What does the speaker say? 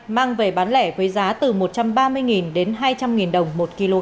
mang về bán lẻ với giá từ một trăm ba mươi đến hai trăm linh đồng một kg